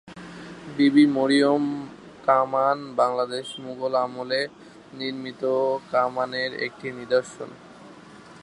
বিবি মরিয়ম কামান বাংলাদেশে মুঘল আমলে নির্মিত কামানের একটি নিদর্শন।